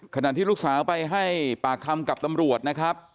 ขณะที่ลูกสาวไปให้ปากคำกับตำรวจนะครับ